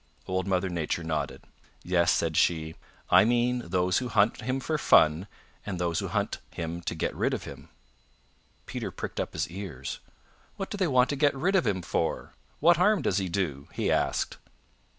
Old Mother Nature nodded. "Yes," said she, "I mean those who hunt him for fun and those who hunt him to get rid of him." Peter pricked up his ears. "What do they want to get rid of him for. What harm does he do?" he asked.